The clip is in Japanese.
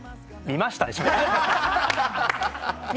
見ました。